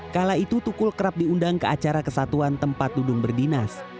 kala itu tukul kerap diundang ke acara kesatuan tempat dudung berdinas